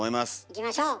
いきましょう。